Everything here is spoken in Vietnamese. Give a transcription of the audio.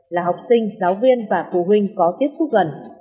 là học sinh giáo viên và phụ huynh có tiếp xúc gần